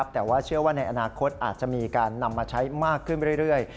แต่ว่าเชื่อว่าในอนาคตอาจจะมีการนำมาใช้มากขึ้นเรื่อย